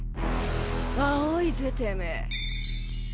青いぜてめぇ。